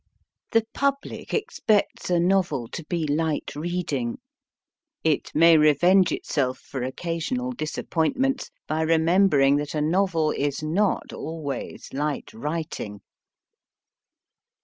The public expects a novel to be 74 MY FIRST BOOK light reading. It may revenge itself for occasional dis appointments by remembering that a novel is not always light writing.